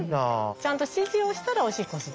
ちゃんと指示をしたらおしっこする。